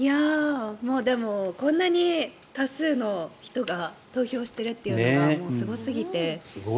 でもこんなに多数の人が投票しているっていうのがすごすぎて。